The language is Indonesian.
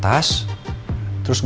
terus gua ajaknya ke rumah